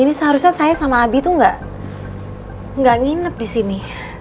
ini seharusnya saya sama abby tuh gak nginep disini